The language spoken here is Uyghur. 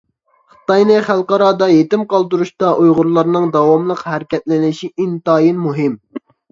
خىتاينى خەلقئارادا يېتىم قالدۇرۇشتا ئۇيغۇرلارنىڭ داۋاملىق ھەرىكەتلىنىشى ئىنتايىن مۇھىم !